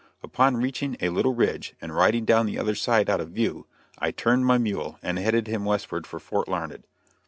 Upon reaching a little ridge, and riding down the other side out of view, I turned my mule and headed him westward for Fort Larned.